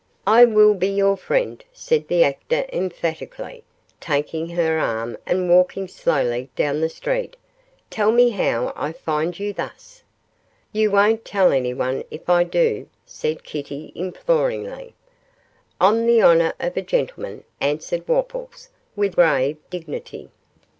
'I will be your friend,' said the actor, emphatically, taking her arm and walking slowly down the street; 'tell me how I find you thus.' 'You won't tell anyone if I do?' said Kitty, imploringly. 'On the honour of a gentleman,' answered Wopples, with grave dignity.